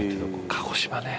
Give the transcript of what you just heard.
鹿児島ね。